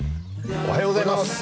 おはようございます。